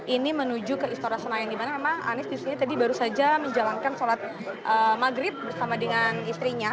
ini menuju ke istora senayan dimana memang anies disini tadi baru saja menjalankan sholat maghrib bersama dengan istrinya